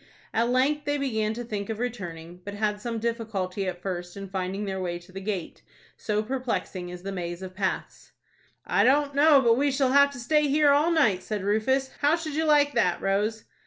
At length they began to think of returning, but had some difficulty at first in finding their way to the gate, so perplexing is the maze of paths. "I don't know but we shall have to stay here all night," said Rufus. "How should you like that, Rose?"